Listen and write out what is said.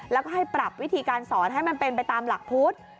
แล้วก็ให้ปรับวิธีการสอนให้มันเป็นไปตามหลักพุทธ